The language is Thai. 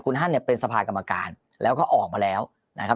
ท่านเนี่ยเป็นสภากรรมการแล้วก็ออกมาแล้วนะครับ